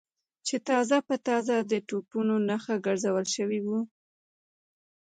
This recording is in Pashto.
چې تازه په تازه د توپونو نښه ګرځول شوي و.